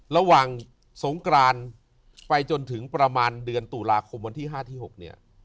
ระหว่างสงกรานไปจนถึงประมาณเดือนตุลาคมวันที่๕ที่๖เนี่ย